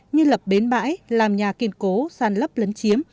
như lập bến bãi làm nhà kiên cố sàn lấp lấn chiếm